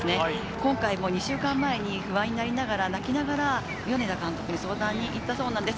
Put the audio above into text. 今回も２週間前に不安になりながら、泣きながら、米田監督に相談に行ったそうです。